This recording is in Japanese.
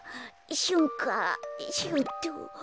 しゅんかしゅうとう。